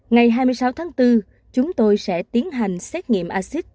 ngày hai mươi sáu tháng bốn chúng tôi sẽ tiến hành xét nghiệm acid